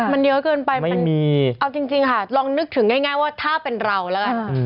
มันเยอะเกินไปมันเอาจริงค่ะลองนึกถึงง่ายว่าถ้าเป็นเราแล้วกัน